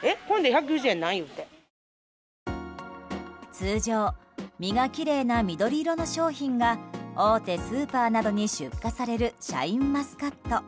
通常、実がきれいな緑色の商品が大手スーパーなどに出荷されるシャインマスカット。